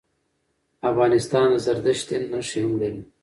افغانستان د زردشت دین نښي هم لري.